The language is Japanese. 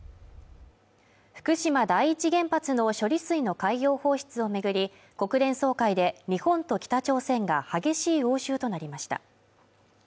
福島第一原発の処理水の海洋放出を巡り国連総会で日本と北朝鮮が激しい応酬となりました